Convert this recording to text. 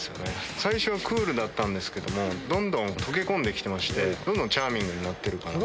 最初はクールだったんですけども、どんどん溶け込んできてまして、どんどんチャーミングになってるかなと。